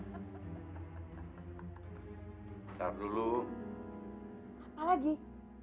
kenapa perasaanku jadi enak begini